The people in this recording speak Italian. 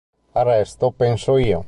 Al resto penso io".